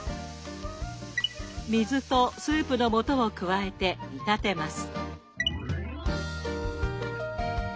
水とスープの素を加えて煮立てます。